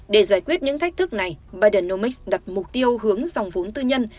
để giải quyết những thách thức này bidenomics đặt mục tiêu hướng dòng vốn tư nhân